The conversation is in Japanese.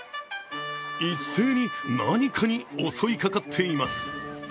一斉に何かに襲いかかっています。